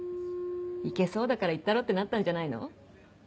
いけそうだからいったろってなったんじゃないの？